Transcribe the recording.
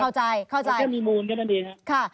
เข้าใจเข้ามีมูลกันอันเองค่ะ